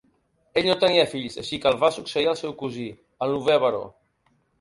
Ell no tenia fills, així que el va succeir el seu cosí, el novè baró.